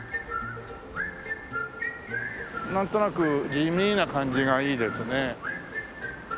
なんとなく地味な感じがいいですね。